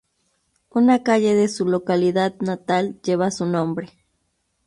Una calle de su localidad natal lleva su nombre.